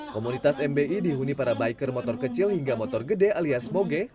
komunitas mbi dihuni para biker motor kecil hingga motor gede alias moge